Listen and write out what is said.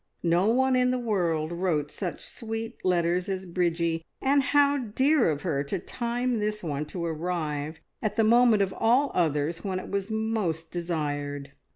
No one in the world wrote such sweet letters as Bridgie, and how dear of her to time this one to arrive at the moment of all others when it was most desired!